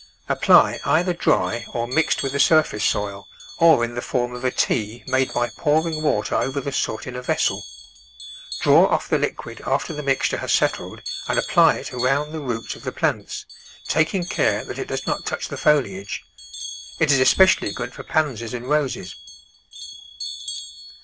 Apply either dry or mixed with the surface soil, or in the form of a tea made by pouring water over the soot in a vessel. Draw off the liquid after the mixture has settled and apply it around the roots of the plants, taking care that it does not touch the foliage. It is especially good for Pansies and Roses.